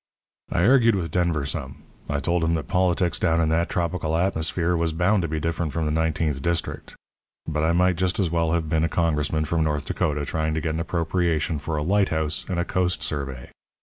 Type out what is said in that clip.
"I argued with Denver some. I told him that politics down in that tropical atmosphere was bound to be different from the nineteenth district; but I might just as well have been a Congressman from North Dakota trying to get an appropriation for a lighthouse and a coast survey.